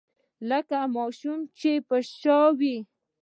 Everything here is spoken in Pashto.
لکه ماشوم چې يې په شا وي.